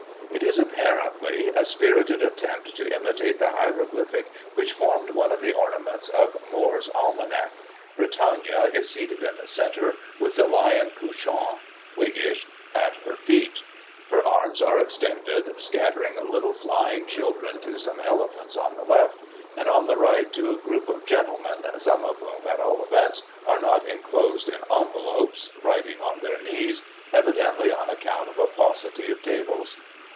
It is, apparently, a spirited attempt to imitate the hieroglyphic which formed one of the ornaments to Maoris Almanack; Britannia is seated in the centre, with the lion couchant (Whiggish) at her feet ; her arms are extended, scattering little flying children to some elephants on the left ; and, on the right, to a group of gentlemen, some of whom, at all events, are not enclosed in envelopes, writing on their knees, evidently on account of a paucity of tables.